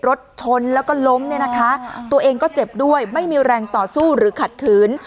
รถชนแล้วก็ล้มเนี่ยนะคะตัวเองก็เจ็บด้วยไม่มีแรงต่อสู้หรือขัดขืน